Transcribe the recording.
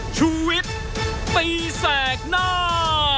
ชูวิตตีแสดหน้า